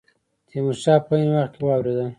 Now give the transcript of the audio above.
تیمور شاه په عین وخت کې واورېدل.